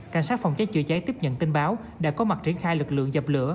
cảnh sát phòng cháy chữa cháy tiếp nhận tin báo đã có mặt triển khai lực lượng dập lửa